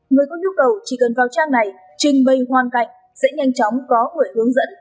người có nhu cầu chỉ cần vào trang này trình bày hoàn cảnh sẽ nhanh chóng có người hướng dẫn